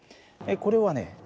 これはね